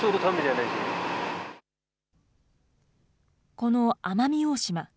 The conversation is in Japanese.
この奄美大島。